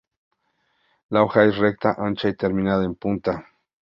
La hoja es recta, ancha y terminada en punta.